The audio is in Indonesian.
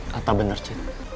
kata benar cid